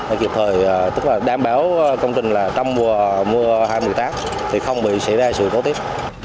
để kịp thời tức là đảm bảo công trình là trong mùa mưa hai mươi tám thì không bị xảy ra sự cố tiếp